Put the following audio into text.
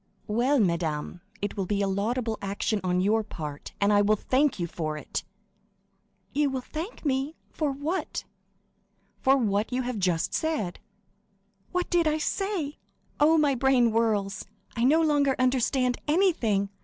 "Well, madame, it will be a laudable action on your part, and I will thank you for it!" "You will thank me—for what?" "For what you have just said." "What did I say? Oh, my brain whirls; I no longer understand anything.